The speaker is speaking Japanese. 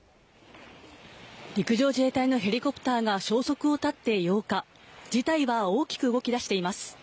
陸上自衛隊のヘリコプターが消息を絶って８日事態は大きく動き出しています。